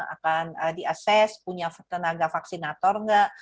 akan diases punya tenaga vaksinator nggak